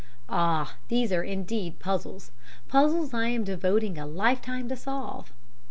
Ah! These are indeed puzzles puzzles I am devoting a lifetime to solve.